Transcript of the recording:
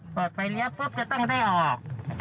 เปิดไฟเลี้ยวปุ๊บจะต้องได้ออก